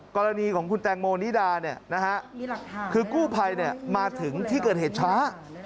กรณีของคุณแตงโมนิดาคือกู้ภัยมาถึงที่เกิดเหตุช้า